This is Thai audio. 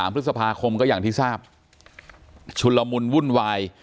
พฤษภาคมก็อย่างที่ทราบชุนละมุนวุ่นวาย